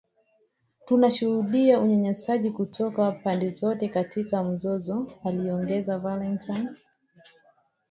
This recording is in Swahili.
Tunashuhudia unyanyasaji kutoka pande zote katika mzozo aliongeza Valentine